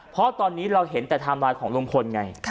เพราะตอนนี้เราเห็นแต่ไทม์ไลน์ของลุงพลไง